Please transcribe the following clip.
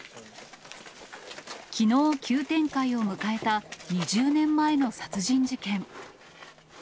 きのう急展開を迎えた２０年前の殺人事件。